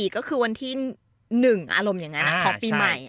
ก็คือวันที่๑อารมณ์อย่างนั้นของปีใหม่